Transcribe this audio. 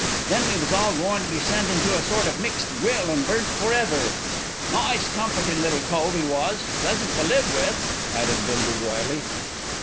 Then we was all goin' to be sent into a sort of mixed grill and burnt for ever. Nice comforting little cove 'e was; pleasant to live with," added Bindle drily.